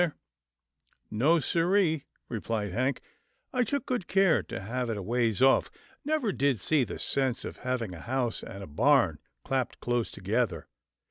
" THE SON OF MUFFLES 247 " No siree," replied Hank, " I took good care to have it a ways off — never did see the sense of having a house and a barn clapped close together.